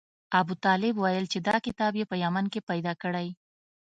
ابوطالب ویل چې دا کتاب یې په یمن کې پیدا کړی.